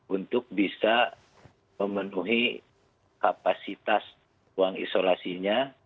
untuk bisa memenuhi kapasitas ruang isolasinya